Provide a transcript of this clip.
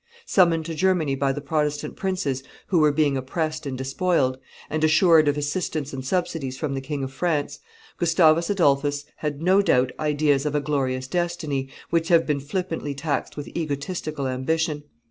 Summoned to Germany by the Protestant princes who were being oppressed and despoiled, and assured of assistance and subsidies from the King of France, Gustavus Adolphus had, no doubt, ideas of a glorious destiny, which have been flippantly taxed with egotistical ambition.